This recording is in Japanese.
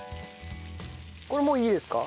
これもういいですか？